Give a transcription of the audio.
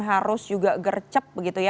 harus juga gercep begitu ya